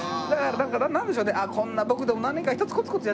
だからなんでしょうね。